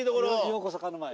ようこそ鹿沼へ。